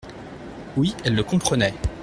Oui, elle le comprenait.